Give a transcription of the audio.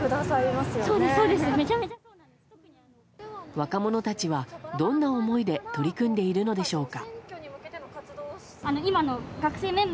若者たちはどんな思いで取り組んでいるのでしょうか。